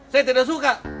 saya tidak suka